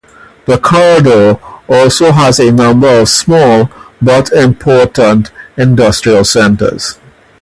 The corridor also has a number of small but important industrial centers.